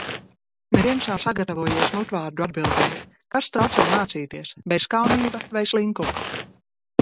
Neviens nav sagatavojies mutvārdu atbildei. Kas traucē mācīties? Bezkaunība vai slinkums?